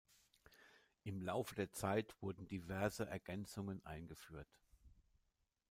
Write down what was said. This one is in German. Im Laufe der Zeit wurden diverse Ergänzungen eingeführt.